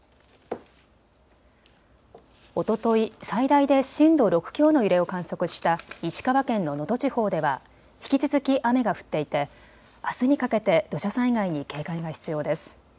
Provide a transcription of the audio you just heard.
おととい、最大で震度６強の揺れを観測した石川県の能登地方では引き続き雨が降っていてあすにかけて土砂災害に警戒が必要です。